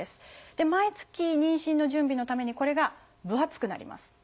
毎月妊娠の準備のためにこれが分厚くなります。